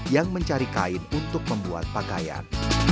yang mencari kain untuk membuat pakaian